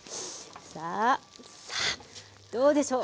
さあさあどうでしょう。